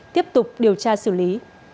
tiếp tục điều tra xử lý